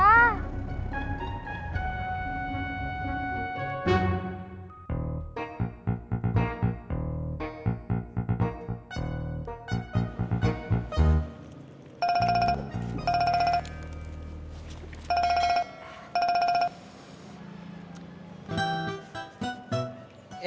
lima berbuih perintah helen